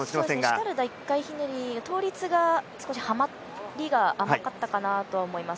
シュタルダー１回ひねり倒立が少しはまりが甘かったかなと思います。